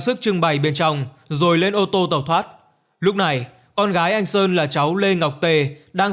sức trưng bày bên trong rồi lên ô tô tàu thoát lúc này con gái anh sơn là cháu lê ngọc tề đang